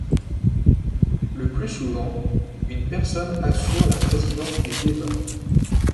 Le plus souvent, une personne assure la présidence des débats.